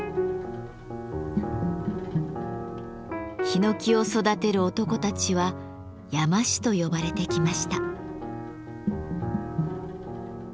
ヒノキを育てる男たちは山師と呼ばれてきました。